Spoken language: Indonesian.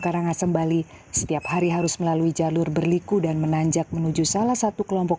karangasem bali setiap hari harus melalui jalur berliku dan menanjak menuju salah satu kelompok